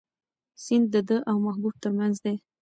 سیند د ده او محبوب تر منځ دی.